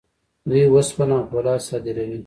دوی وسپنه او فولاد صادروي.